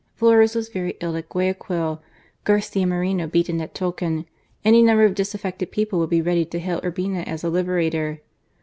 Flores was very ill at Guayaquil, Garcia Moreno beaten at Tulcan : any number of disaffected people would be ready to hail Urbina as a liberator.